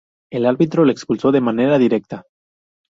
El árbitro lo expulsó de manera directa.